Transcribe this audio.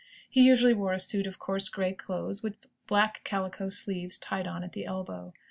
He usually wore a suit of coarse grey clothes, with black calico sleeves tied on at the elbow.